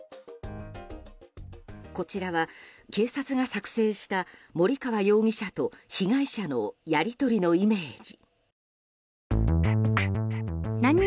こちらは警察が作成した森川容疑者と被害者のやり取りのイメージ。